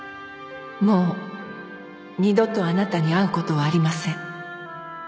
「もう二度とあなたに会う事はありません」